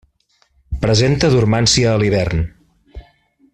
Presenta dormància a l'hivern.